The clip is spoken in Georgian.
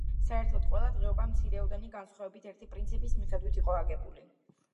საერთოდ ყველა დღეობა მცირეოდენი განსხვავებით ერთი პრინციპის მიხედვით იყო აგებული.